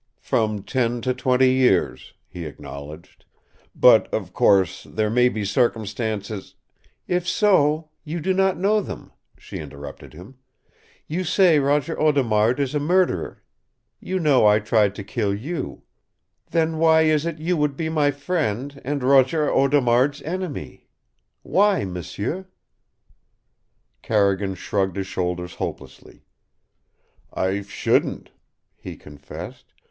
"From ten to twenty years," he acknowledged. "But, of course, there may be circumstances " "If so, you do not know them," she interrupted him. "You say Roger Audemard is a murderer. You know I tried to kill you. Then why is it you would be my friend and Roger Audemard's enemy? Why, m'sieu?" Carrigan shrugged his shoulders hopelessly. "I shouldn't," he confessed.